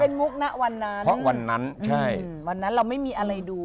เพราะวันนั้นวันนั้นเราไม่มีอะไรดู